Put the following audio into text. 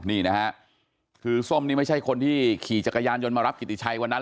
นี่นะฮะคือส้มนี่ไม่ใช่คนที่ขี่จักรยานยนต์มารับกิติชัยวันนั้น